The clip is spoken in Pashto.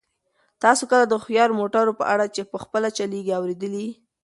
تاسو کله د هوښیارو موټرو په اړه چې په خپله چلیږي اورېدلي؟